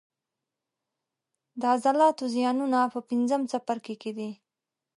د عضلاتو زیانونه په پنځم څپرکي کې دي.